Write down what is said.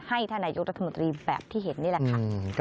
ให้ท่านายุทธมตรีแบบที่เห็นนี่แหละค่ะ